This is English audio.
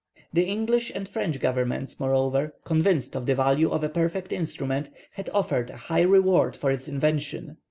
The English and French Governments, moreover, convinced of the value of a perfect instrument, had offered a high reward for its invention.